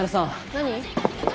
何？